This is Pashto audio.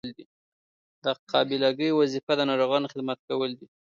د قابله ګۍ وظیفه د ناروغانو خدمت کول دي.